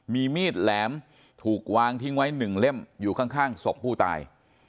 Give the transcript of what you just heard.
มีมีดแหลมถูกวางทิ้งไว้๑เล่มอยู่ข้างศพผู้ตาย